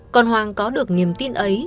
còn hoàng có được niềm tin ấy